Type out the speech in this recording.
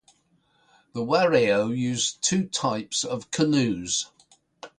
The Warao use two types of canoes.